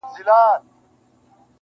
د قاضي معاش څو چنده ته رسېږې ,